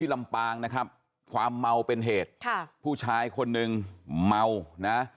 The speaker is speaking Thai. ลำปางนะครับความเมาเป็นเหตุค่ะผู้ชายคนหนึ่งเมานะ